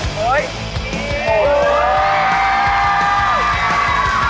ต้องกินให้รอ